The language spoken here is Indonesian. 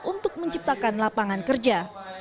untuk menciptakan lapangan kerja